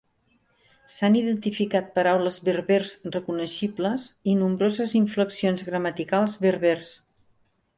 S'han identificat paraules berbers reconeixibles i nombroses inflexions gramaticals berbers.